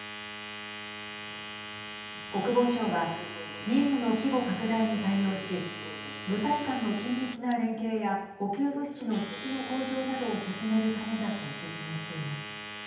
国防省は任務の規模拡大に対応し部隊間の緊密な連携や補給物資の質の向上などを進めるためだと説明しています。